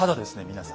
皆さん。